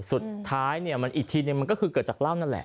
สุดท้ายเนี่ยมันอีกทีนึงมันก็คือเกิดจากเหล้านั่นแหละ